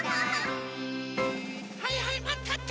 はいはいマンたって！